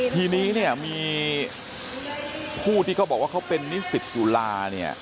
ทีนี้มีผู้ที่เขาบอกว่าเขาเป็นนิสิตจุฬา